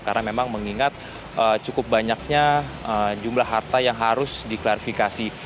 karena memang mengingat cukup banyaknya jumlah harta yang harus diklarifikasi